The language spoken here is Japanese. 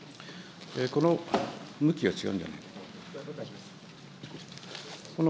向きが違うんじゃないの。